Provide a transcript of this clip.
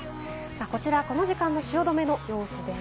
こちら、この時間の汐留の様子です。